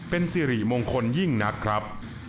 เป็นสิริมงคลยิ่งนักครับ